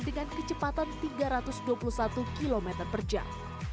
dengan kecepatan tiga ratus dua puluh satu km per jam